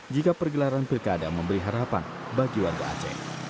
jika pergelaran pilkada memberi harapan bagi warga aceh